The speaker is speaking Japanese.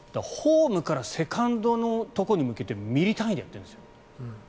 ホームからセカンドのところに向けてミリ単位でやってるんです。